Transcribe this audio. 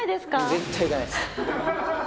絶対行かないです。